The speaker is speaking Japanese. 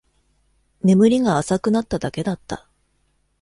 眠りが浅くなっただけだった